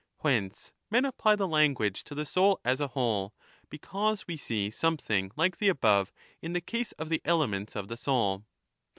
Whence men apply the language to the soul as a whole, because we see something like the 25 above in the case of ^ the elements of the soul.